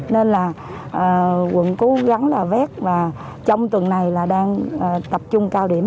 nên là quận cố gắng là vét và trong tuần này là đang tập trung cao điểm